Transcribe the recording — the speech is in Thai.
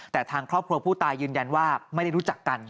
แต่ทางครอบครัวผู้ตายยืนยันว่าไม่ได้รู้จักกัน